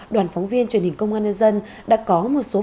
đoàn phóng viên truyền hình công an nhân dân đã có một số phần khó khăn